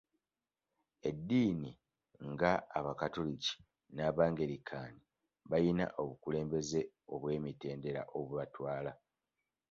Eddiini nga abakatoliki n'abangirikaani bayina obukulembeze obw'emitendera obubatwala .